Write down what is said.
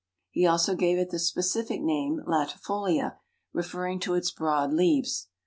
He also gave it the specific name latifolia, referring to its broad leaves.